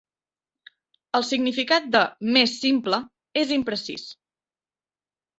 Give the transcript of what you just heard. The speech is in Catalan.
El significat de "més simple" es imprecís.